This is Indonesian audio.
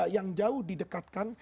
yang jauh didekatkan